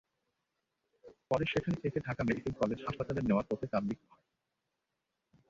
পরে সেখান থেকে ঢাকা মেডিকেল কলেজ হাসপাতালে নেওয়ার পথে তাঁর মৃত্যু হয়।